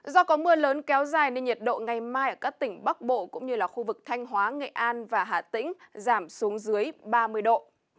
do có mưa lớn kéo dài nên nhiệt độ ngày mai ở các tỉnh bắc bộ cũng như là khu vực thanh hóa nghệ an và hà tĩnh giảm xuống dưới ba mươi độ